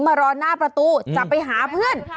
มารอหน้าประตูจะไปหาเพื่อน